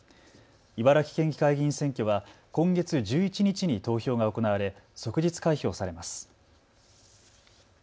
茨城県議会議員選挙は今月１１日に投票が行われ即日開票されます。